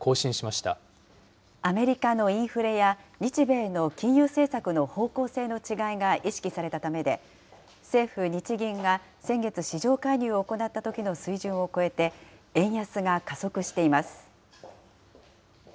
アメリカのインフレや、日米の金融政策の方向性の違いが意識されたためで、政府・日銀が先月、市場介入を行ったときの水準を超えて、円安が加速しています。